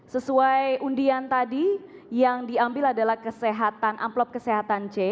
sesuai undian tadi yang diambil adalah kesehatan amplop kesehatan c